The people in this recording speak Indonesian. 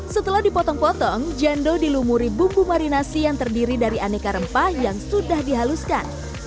setelah dipotong potong jando dilumuri bumbu marinasi yang terdiri dari aneka rempah yang sudah dihaluskan